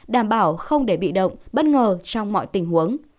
đảm bảo không để bị động bất ngờ trong mọi tình huống